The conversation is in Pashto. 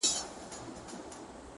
د سازو ښا ته دې جامعه الکمالات ولېږه~